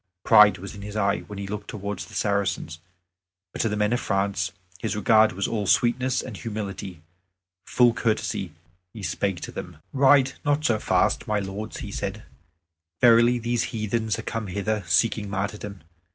Pride was in his eye when he looked towards the Saracens; but to the men of France his regard was all sweetness and humility. Full courteously he spake to them: "Ride not so fast, my lords," he said; "verily these heathen are come hither, seeking martyrdom.